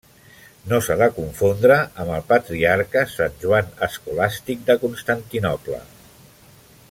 No s'ha de confondre amb el patriarca Sant Joan Escolàstic de Constantinoble.